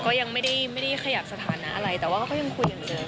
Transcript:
ก็ยังไม่ได้ขยับสถานะอะไรแต่ว่าก็ยังคุยอย่างเดิม